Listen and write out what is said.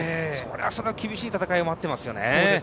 それは厳しい戦いが待っていますよね。